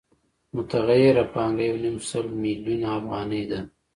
متغیره پانګه یو نیم سل میلیونه افغانۍ ده